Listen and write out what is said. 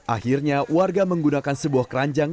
akhirnya warga menggunakan sebuah keranjang